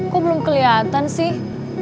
kok belum keliatan sih